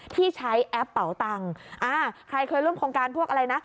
ที่ใช้แอปเป่าตังค์อ่าใครเคยร่วมโครงการพวกอะไรนะ